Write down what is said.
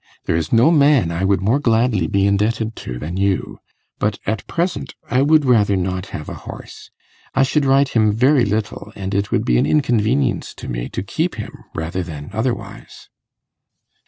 There is no man I would more gladly be indebted to than you; but at present I would rather not have a horse. I should ride him very little, and it would be an inconvenience to me to keep him rather than otherwise.